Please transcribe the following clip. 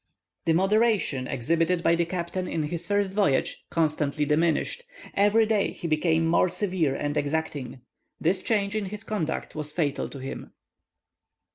The moderation exhibited by the captain in his first voyage, constantly diminished; every day he became more severe and exacting. This change in his conduct was fatal to him.